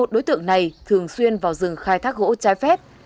một mươi một đối tượng này thường xuyên vào rừng khai thác gỗ trái phép